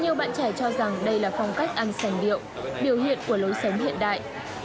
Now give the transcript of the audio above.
nhiều bạn trẻ cho rằng đây là phong cách ăn sành điệu biểu hiện của lối sống hiện đại